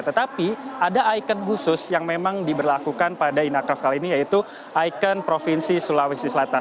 tetapi ada ikon khusus yang memang diberlakukan pada inacraft kali ini yaitu ikon provinsi sulawesi selatan